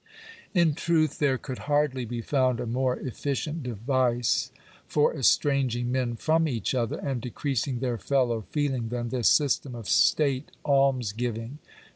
In truth there could hardly be found a more efficient device for estranging men from each other, and decreasing their fellow feeling, than this system of state almsgiving.